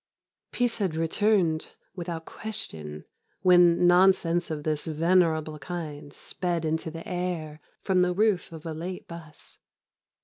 Peace had returned without question when nonsense of this venerable kind sped into the air from the roof of a late bus.